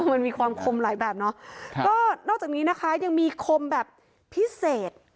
มันมีความคมหลายแบบเนาะก็นอกจากนี้นะคะยังมีคมแบบพิเศษ